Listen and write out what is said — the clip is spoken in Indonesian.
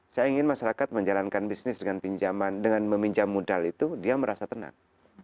saya ingin masyarakat menjalankan bisnis dengan pinjaman dengan meminjam modal itu dia merasa tenang